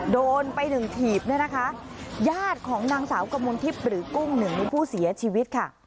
โดนไป๑ถีบนะคะญาติของนางสาวกมุนทิพย์หรือกุ้ง๑ผู้เสียชีวิตค่ะ